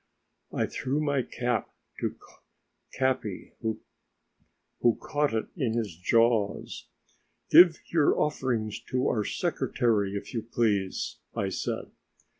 I threw my cap to Capi, who caught it in his jaws. "Give your offerings to our secretary, if you please," I said.